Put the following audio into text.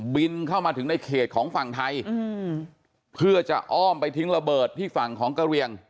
บินเข้ามาถึงในเขตของฝั่งไทยเพื่อจะอ้อมไปทิ้งระเบิดที่ฝั่งของกระเรียง